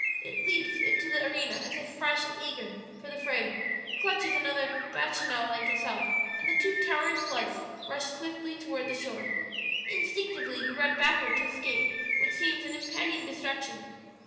It leaps into the arena as if fresh and eager for the fray, clutches another Bacchanal like itself, and the two towering floods rush swiftly toward the shore. Instinctively you run backward to escape what seems an impending destruction.